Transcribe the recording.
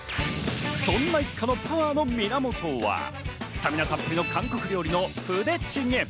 そんな一家のパワーの源は、スタミナたっぷりの韓国料理のプデチゲ。